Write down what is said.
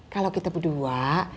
kalau kita berdua